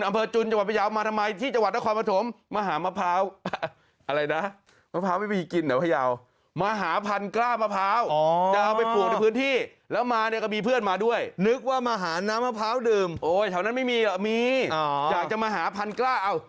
นึกว่ามาหาน้ำมะพร้าวดื่มโอ้ยแถวนั้นไม่มีหรอมีอ๋ออยากจะมาหาพันกร้าเอา